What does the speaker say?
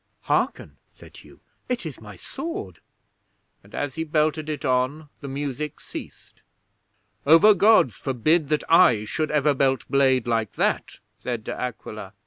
'"Hearken!" said Hugh. "It is my sword," and as he belted it on the music ceased. '"Over Gods, forbid that I should ever belt blade like that," said De Aquila.